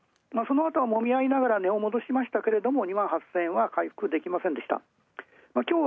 そのあとはもみ合いながら、値をもどしましたが２８０００円は回復できませんでした。